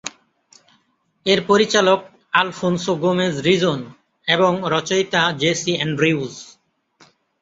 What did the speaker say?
এর পরিচালক Alfonso Gomez Rejon এবং রচয়িতা জেসি অ্যান্ড্রিউস।